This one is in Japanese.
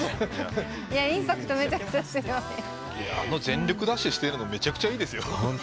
全力ダッシュしてるのめちゃくちゃいいですよ。